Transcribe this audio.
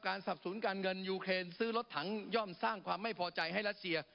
สับสนการเงินยูเครนซื้อรถถังย่อมสร้างความไม่พอใจให้รัสเซีย